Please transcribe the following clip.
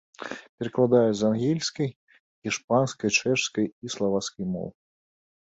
Перакладае з англійскай, іспанскай, чэшскай і славацкай моў.